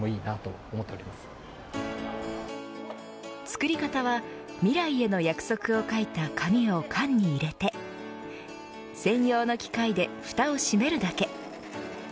作り方は未来への約束を書いた紙を缶に入れて専用の機械で蓋を閉めるだけ。